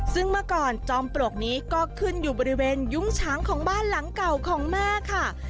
ซึ่งเมื่อก่อนจอมปลวกนี้ก็ขึ้นอยู่บริเวณยุ้งช้างของบ้านหลังเก่าของแม่ค่ะ